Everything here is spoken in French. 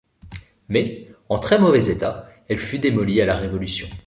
Mais, en très mauvais état, elle fut démolie à la Révolution.